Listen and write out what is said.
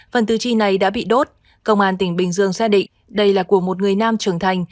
phần tư chi này đã bị đốt công an tỉnh bình dương xác định đây là của một người nam trưởng thành